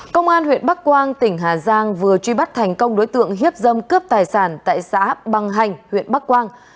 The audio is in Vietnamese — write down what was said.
công an huyện bắc quang tỉnh hà giang vừa truy bắt thành công đối tượng hiếp dâm cướp tài sản tại xã bằng hành huyện bắc quang